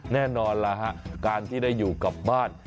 แน่นอนล่ะฮะการที่ได้อยู่กับบ้าน